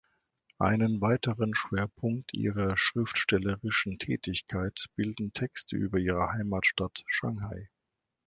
Einen weiteren Schwerpunkt ihrer schriftstellerischen Tätigkeit bilden Texte über ihre Heimatstadt Shanghai.